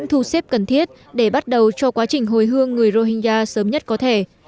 và những thư xếp cần thiết để bắt đầu cho quá trình hồi hương người rohingya sớm nhất có thể